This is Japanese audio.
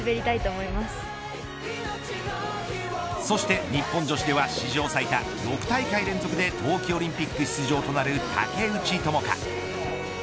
そして日本女子では史上最多６大会連続で冬季オリンピック出場となる竹内智香